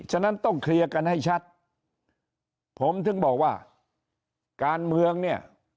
ฉะนั้นต้องเคลียร์กันให้ชัดผมถึงบอกว่าการเมืองเนี่ย